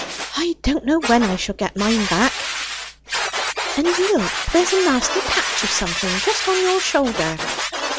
I don't know when I shall get mine back!" "And look, there's a nasty patch of something just on your shoulder."